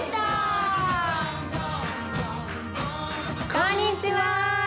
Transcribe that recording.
こんにちは！